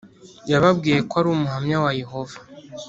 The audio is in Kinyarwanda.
Yababwiye ko ari Umuhamya wa yehova